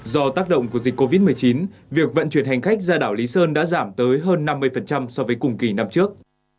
do tác động của dịch covid một mươi chín việc vận chuyển hành khách ra đảo lý sơn đã giảm tới hơn năm mươi so với cùng kỳ năm trước